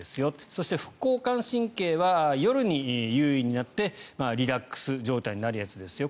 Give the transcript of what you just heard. そして、副交感神経は夜に優位になってリラックス状態になるやつですよ。